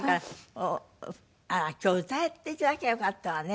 あら今日歌って頂きゃよかったわね。